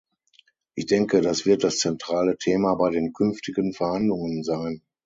Ich denke, das wird das zentrale Thema bei den künftigen Verhandlungen sein.